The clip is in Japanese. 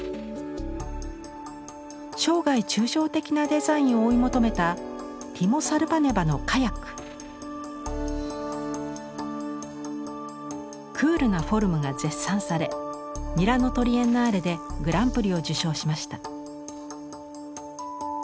生涯抽象的なデザインを追い求めたクールなフォルムが絶賛されミラノ・トリエンナーレでグランプリを受賞しました。